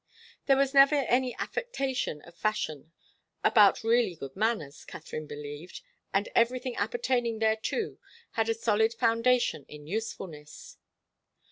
There was never any affectation of fashion about really good manners, Katharine believed, and everything appertaining thereto had a solid foundation in usefulness.